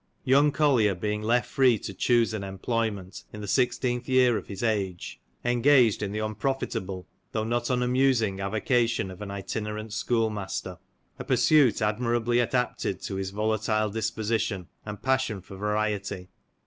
Young Collier being left free to choose an employment, in the sixteenth year of his age, engaged in the unprofitable though not unamusing avocation of an itinerant schoolmaster, a pur suit admirably adapted to his volatile disposition, and passion for variety.